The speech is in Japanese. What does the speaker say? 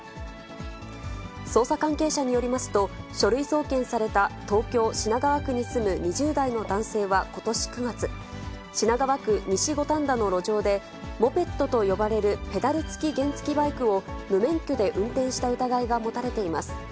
捜査関係者によりますと、書類送検された東京・品川区に住む２０代の男性はことし９月、品川区西五反田の路上で、モペットと呼ばれるペダル付き原付きバイクを無免許で運転した疑いが持たれています。